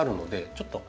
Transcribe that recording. ちょっと。